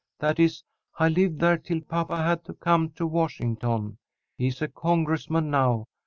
That is, I lived there till papa had to come to Washington. He's a Congressman now.